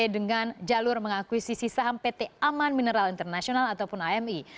dengan jalur mengakuisisi saham pt aman mineral internasional ataupun ami